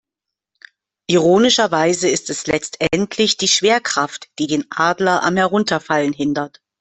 Ironischerweise ist es letztendlich die Schwerkraft, die den Adler am Herunterfallen hindert.